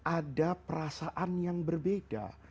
ada perasaan yang berbeda